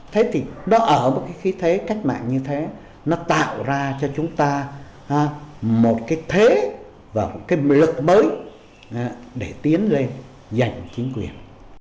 thế thì nó ở một cái khí thế cách mạng như thế nó tạo ra cho chúng ta một cái thế và một cái lực mới để tiến lên giành chính quyền